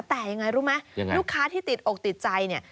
แต่ยังไงรู้ไหมลูกค้าที่ติดอกติดใจเนี่ย